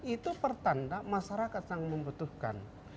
itu pertanda masyarakat yang membutuhkan